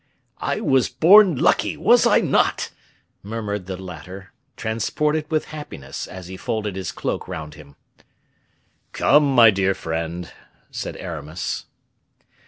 "I was born lucky, was I not?" murmured the latter, transported with happiness, as he folded his cloak round him. "Come, my dear friend," said Aramis.